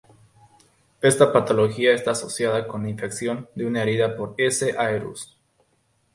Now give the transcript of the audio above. Esta patología está asociada con la infección de una herida por "S. aureus".